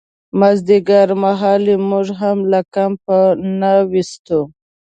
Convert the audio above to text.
مازدیګرمهال یې موږ هم له کمپ نه ویستو.